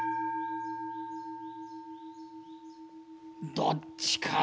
どっちかな？